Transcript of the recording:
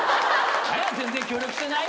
何や「全然協力してない？」